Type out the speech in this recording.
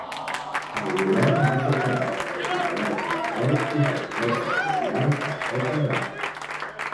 El govern va ser capaç de recuperar el control usant tropes lleials en poques hores.